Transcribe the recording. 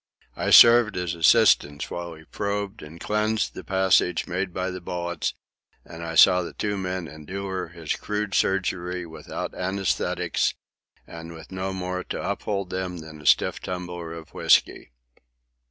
I served as assistant while he probed and cleansed the passages made by the bullets, and I saw the two men endure his crude surgery without anæsthetics and with no more to uphold them than a stiff tumbler of whisky.